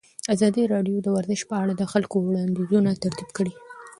ازادي راډیو د ورزش په اړه د خلکو وړاندیزونه ترتیب کړي.